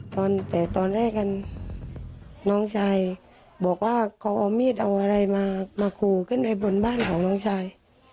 ตอนแรกกันน้องชายบอกว่าเขาเอามีดเอาอะไรมาขู่ขึ้นไปบนบ้านของน้องชาย